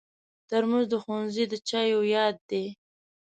ترموز د ښوونځي د چایو یاد دی.